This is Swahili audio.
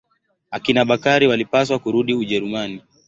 Akina Bakari walipaswa kurudi Ujerumani.